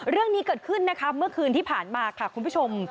เรื่องนี้เกิดขึ้นนะคะเมื่อคืนที่ผ่านมาค่ะคุณผู้ชม